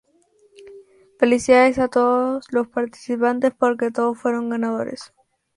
Felicidades a todos los participantes porque todos fueron ganadores.